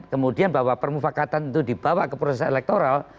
kemudian bahwa permufakatan itu dibawa ke proses elektoral